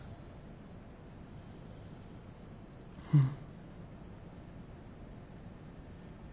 うん。